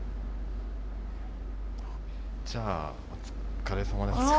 じゃあお疲れさまでした。